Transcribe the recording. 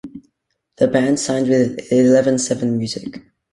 The band signed with Eleven Seven Music.